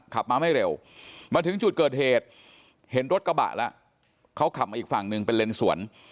ขับมาไม่เร็วมาถึงจุดเกิดเหตุเห็นรถกระบะแล้วเขาขับมาอีกฝั่งหนึ่งเป็นเลนสวน